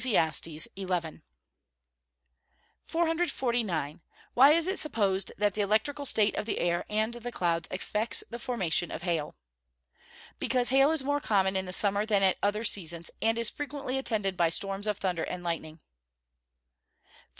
XI.] 449. Why is it supposed that the electrical state of the air and the clouds affects the formation of hail? Because hail is more common in the summer than at other seasons, and is frequently attended by storms of thunder and lightning. 450.